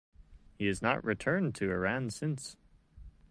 He has not returned to Iran since.